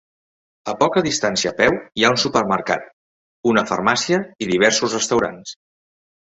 A poca distància a peu hi ha un supermercat, una farmàcia i diversos restaurants.